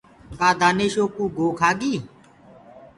ڪآ دآنشو ڪوُ گو کآگي۔